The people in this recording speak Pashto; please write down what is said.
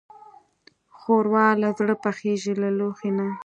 ښوروا له زړه پخېږي، له لوښي نه.